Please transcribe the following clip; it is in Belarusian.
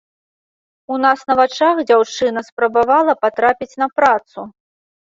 У нас на вачах дзяўчына спрабавала патрапіць на працу.